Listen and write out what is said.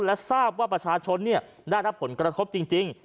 และทราบว่าประชาชนได้รับผลกระทบจริง